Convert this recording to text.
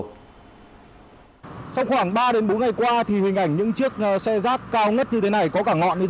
trong khoảng ba đến bốn ngày qua thì hình ảnh những chiếc xe rác cao nhất như thế này có cả ngọn như